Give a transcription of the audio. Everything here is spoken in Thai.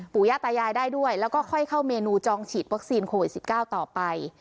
ย่าตายายได้ด้วยแล้วก็ค่อยเข้าเมนูจองฉีดวัคซีนโควิด๑๙ต่อไป